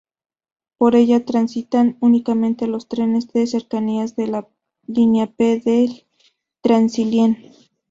Por ella transitan únicamente los trenes de cercanías de la línea P del Transilien.